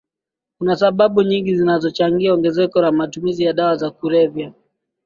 Kuna sababu nyingi zinazochangia ongezeko la matumizi ya dawa za kulevya